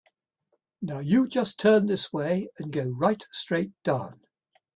Now you just turn this way and go right straight down.